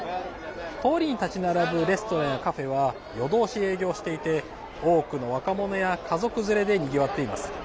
通りに立ち並ぶレストランやカフェは夜通し営業していて多くの若者や家族連れでにぎわっています。